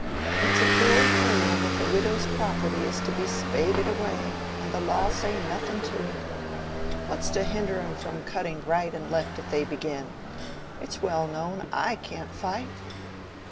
It's a poor tale if a widow's property is to be spaded away, and the law say nothing to it. What's to hinder 'em from cutting right and left if they begin? It's well known, I can't fight."